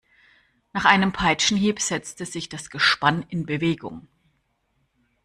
Nach einem Peitschenhieb setzte sich das Gespann in Bewegung.